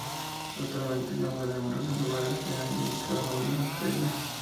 Actualmente da nombre a numerosos lugares, y se le han dedicado numerosas calles.